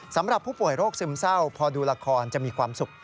สำหรับผู้ป่วยโรคซึมเศร้าพอดูละครจะมีความสุข